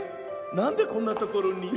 なんでこんなところに？